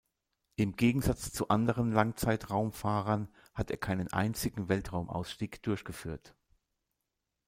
Im Gegensatz zu anderen Langzeit-Raumfahrern hat er keinen einzigen Weltraumausstieg durchgeführt.